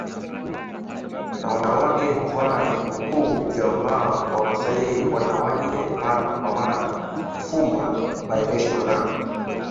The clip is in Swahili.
na wanawake huvaa vikuku vya mbao Wamasai wanawake mara kwa mara hufuma marembesho na